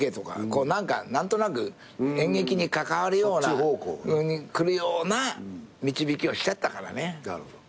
こう何か何となく演劇に関わるような来るような導きをしちゃったからね。